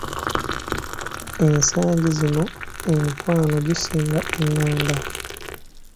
Ensangi zino emikwano gisinga eղղanda.